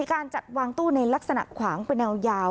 การจัดวางตู้ในลักษณะขวางเป็นแนวยาว